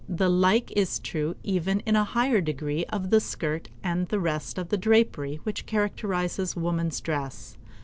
The like is true even in a higher degree of the skirt and the rest of the drapery which characterizes woman's dress.